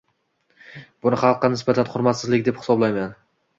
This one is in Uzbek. Buni xalqqa nisbatan hurmatsizlik deb hisoblayman.